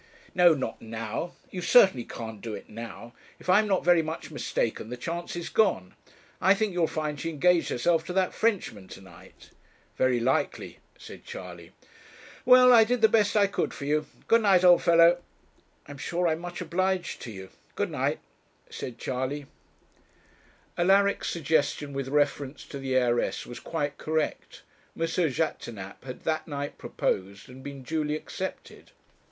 'No, not now; you certainly can't do it now. If I am not very much mistaken, the chance is gone. I think you'll find she engaged herself to that Frenchman to night.' 'Very likely,' said Charley. 'Well I did the best I could for you. Good night, old fellow.' 'I'm sure I'm much obliged to you. Good night,' said Charley. Alaric's suggestion with reference to the heiress was quite correct: M. Jaquêtanàpe had that night proposed, and been duly accepted.